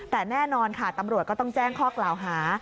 แต่แน่นอนค่ะตำรวจก็ต้องแจ้งข้อกล่าวหา